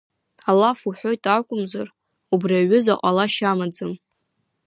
Алаф уҳәоит акәымзар, убри аҩыза ҟалашьа амаӡам.